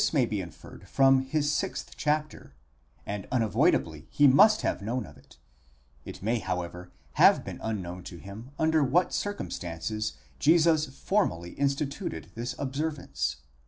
625 may be inferred from his 6th chapter, and unavoidably he must have known of it; it may, however, have been unknown to him under what circumstances Jesus formally instituted this observance.